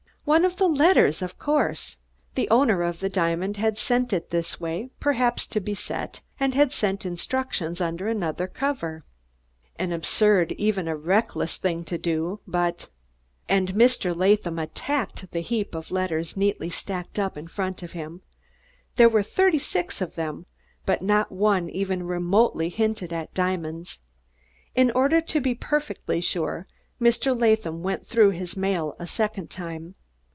One of the letters, of course! The owner of the diamond had sent it this way, perhaps to be set, and had sent instructions under another cover. An absurd, even a reckless thing to do, but ! And Mr. Latham attacked the heap of letters neatly stacked up in front of him. There were thirty six of them, but not one even remotely hinted at diamonds. In order to be perfectly sure, Mr. Latham went through his mail a second time.